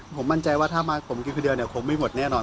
ผมมั่นใจว่าถ้ามาผมกินคนเดียวเนี่ยคงไม่หมดแน่นอน